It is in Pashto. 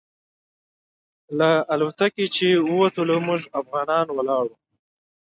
له الوتکې چې ووتلو موږ افغانان ولاړ وو.